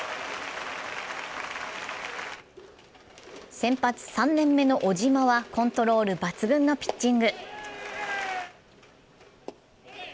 先発、３年目の小島はコントロール抜群のピッチング。